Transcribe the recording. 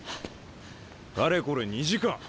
かれこれ２時間。